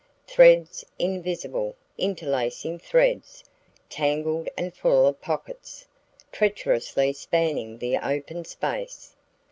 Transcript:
Threads! Invisible, interlacing threads; tangled and full of pockets, treacherously spanning the open space.